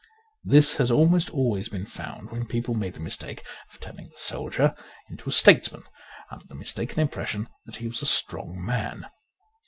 This has almost always been found when people made the mistake of turning the soldier into a statesman, under the mistaken impression that he was a strong man.